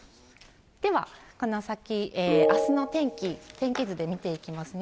ではこの先、あすの天気、天気図で見ていきますね。